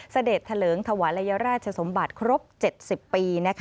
เสด็จเถลิงถวาลัยราชสมบัติครบ๗๐ปี